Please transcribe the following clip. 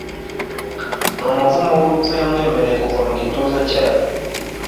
numuvumo wurupfu Yamwemereye kuva mu gituza cyayo